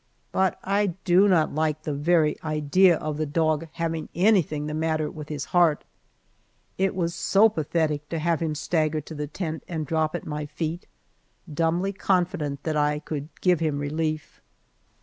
But I do not like the very idea of the dog having anything the matter with his heart. It was so pathetic to have him stagger to the tent and drop at my feet, dumbly confident that I could give him relief.